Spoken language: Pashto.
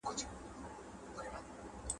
سمدستي به ټولي سر سوې په خوړلو `